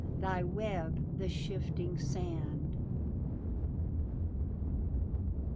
Thy web the shifting sand.